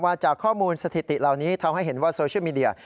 จากข้อมูลสถิติเหล่านี้ทำให้เห็นว่าโซเชียลมีเดีย